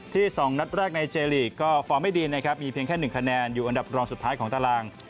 ๒นัดแรกในเจลีกก็ฟอร์มไม่ดีนะครับมีเพียงแค่๑คะแนนอยู่อันดับรองสุดท้ายของตาราง